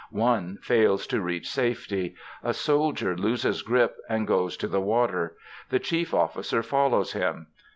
One fails to reach safety. A soldier loses grip and goes to the water. The chief officer follows him.